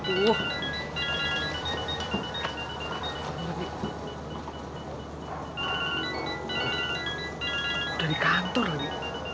udah di kantor lagi